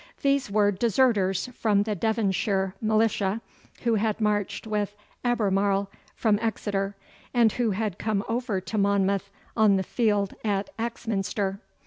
These were deserters from the Devonshire Militia, who had marched with Albemarle from Exeter, and who had come over to Monmouth on the field at Axminster.